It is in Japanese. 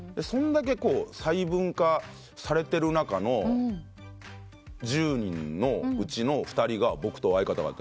そんだけ細分化されてる中の１０人のうちの２人が僕と相方。